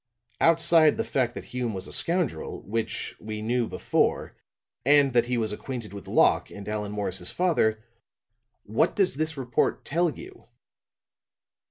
"Outside the fact that Hume was a scoundrel which we knew before and that he was acquainted with Locke and Allan Morris's father, what does this report tell you?"